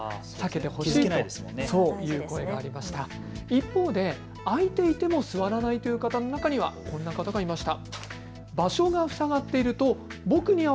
一方で空いていても座らないという方の中にはこんな方がいました。